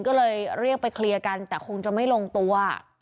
ก็เลยเรียกไปเคลียร์กันแต่คงจะไม่ลงตัว